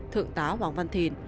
thượng tá hoàng văn thìn